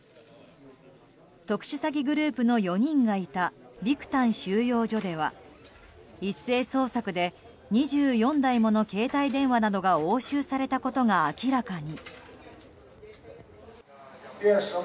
特殊詐欺グループの４人がいたビクタン収容所では一斉捜索で、２４台もの携帯電話などが押収されたことが明らかに。